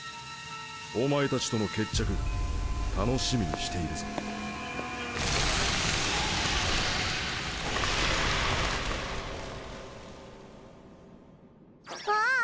お前たちとの決着楽しみにしているぞああ